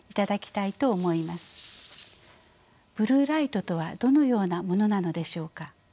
ブルーライトとはどのようなものなのでしょうか？